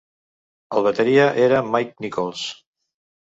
El bateria era Mike Nicholls.